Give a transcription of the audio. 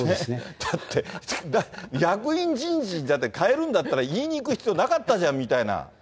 だって、役員人事かえるんだったら言いに行く必要なかったじゃんみたいな。